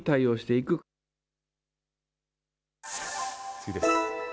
次です。